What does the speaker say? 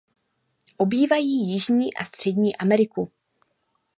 Obývají Jižní a Střední Ameriku.